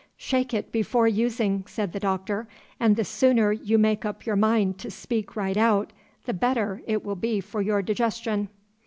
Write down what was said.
"Shake it before using," said the Doctor; "and the sooner you make up your mind to speak right out, the better it will be for your digestion."